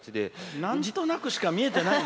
なんとなくしか見えてないの？